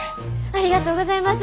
ありがとうございます。